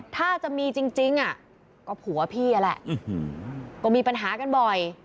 ถ้าจะมีจริงก็ผัวพี่นั่นแหละก็มีปัญหากันบ่อย